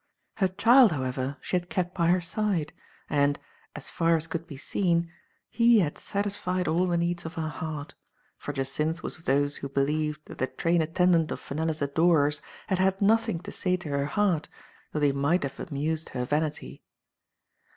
Her child, however, she had kept by her side, and, as far as could be seen, he had satisfied all the needs of her heart, for Jacynth was of those who believed that the train attendant of Fenella's adorers had had nothing to say to her heart, thought they might have amused her vanity.